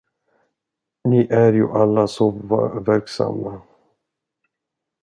Ni är ju alla så verksamma.